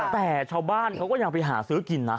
แต่ชาวบ้านเขาก็ยังไปหาซื้อกินนะ